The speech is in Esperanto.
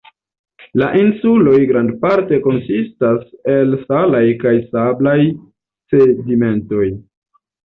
La insuloj grandparte konsistas el salaj kaj sablaj sedimentoj.